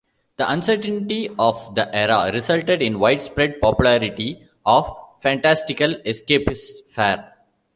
The uncertainty of the era resulted in widespread popularity of fantastical, escapist fare.